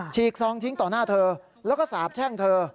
ฉกซองทิ้งต่อหน้าเธอแล้วก็สาบแช่งเธอ